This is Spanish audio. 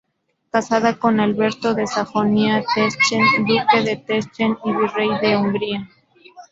Casada con Alberto de Sajonia-Teschen, duque de Teschen y Virrey de Hungría.